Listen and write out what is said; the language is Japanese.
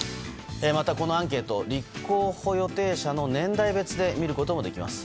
また、このアンケート立候補予定者の年代別で見ることもできます。